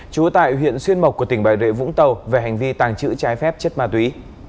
trú tại huyện xuyên mộc của tỉnh bà rịa vũng tàu về hành vi tàng trữ trái phép chất ma túy